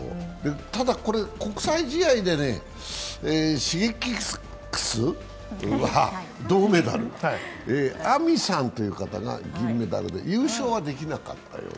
ただ、国際試合でＳｈｉｇｅｋｉｘは銅メダル、ＡＭＩさんが銀メダルということで優勝はできなかったという。